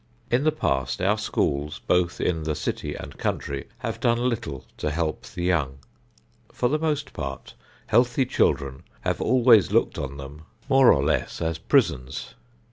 In the past, our schools both in the city and country have done little to help the young. For the most part healthy children have always looked on them more or less as prisons.